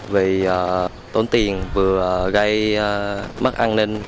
vì tốn tiền vừa gây mất an ninh